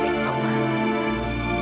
dia yang membuat evita mum